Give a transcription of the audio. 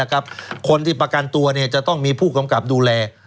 คนที่ประกันตัวจะต้องมีผู้กำกับดูแล